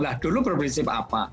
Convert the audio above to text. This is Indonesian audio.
lah dulu berprinsip apa